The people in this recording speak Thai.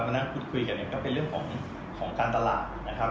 นั่งพูดคุยกันเนี่ยก็เป็นเรื่องของการตลาดนะครับ